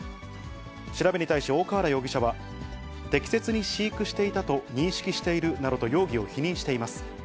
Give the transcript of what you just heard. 調べに対し大河原容疑者は、適切に飼育していたと認識しているなどと容疑を否認しています。